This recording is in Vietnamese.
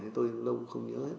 thì tôi lâu không nhớ hết